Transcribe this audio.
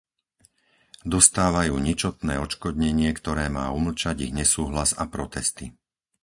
Dostávajú ničotné odškodnenie, ktoré má umlčať ich nesúhlas a protesty.